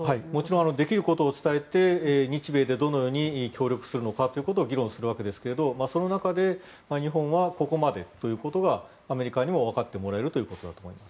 できないことを伝えて日米でどのように協力するのかということを議論するわけですがその中で日本はここまでということがアメリカにもわかってもらえるということだと思います。